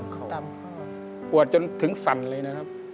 ตามพ่อครับปวดจนถึงสั่นเลยนะครับ